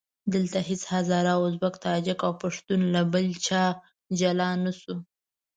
دلته هېڅ هزاره، ازبک، تاجک او پښتون له بل چا جلا نه شو.